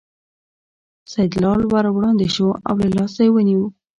سیدلال ور وړاندې شو او له لاسه یې ونیو.